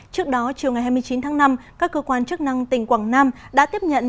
trước đó chiều ngày hai mươi chín tháng năm các cơ quan chức năng tỉnh quảng nam đã tiếp nhận